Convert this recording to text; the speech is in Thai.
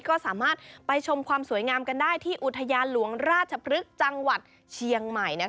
ก็สามารถไปชมความสวยงามกันได้ที่อุทยานหลวงราชพฤกษ์จังหวัดเชียงใหม่